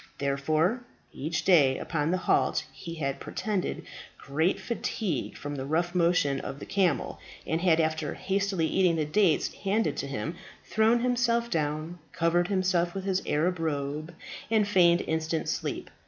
Therefore, each day upon the halt he had pretended great fatigue from the rough motion of the camel, and had, after hastily eating the dates handed to him, thrown himself down, covered himself with his Arab robe, and feigned instant sleep.